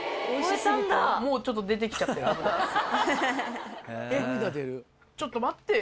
えっちょっと待ってよ。